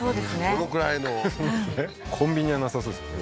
このくらいのコンビニはなさそうですよね